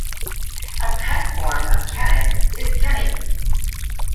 A pet form of Kenneth is "Kenny".